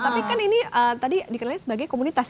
tapi kan ini tadi dikenalnya sebagai komunitas